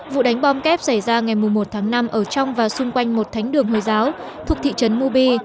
vụ đánh bom kép xảy ra ngày một tháng năm ở trong và xung quanh một thánh đường hồi giáo thuộc thị trấn mobi